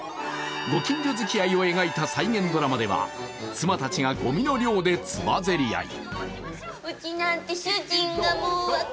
ご近所づきあいを描いた再現ドラマでは妻たちがごみの量でつばぜり合い。